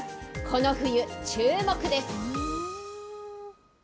この冬、注目です。